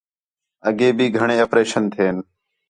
اگے بھی گھݨے اپریشن تھئین